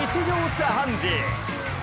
茶飯事。